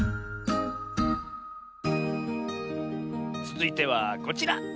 つづいてはこちら。